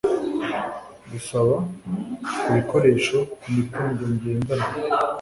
gusaba ku bikoresho ku mitungo ngendanwa